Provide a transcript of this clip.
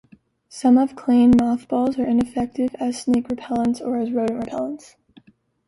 Some have claimed mothballs are ineffective as snake repellents or as rodent repellents.